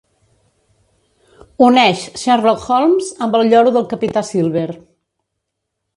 Uneix Sherlock Holmes amb el lloro del capità Silver.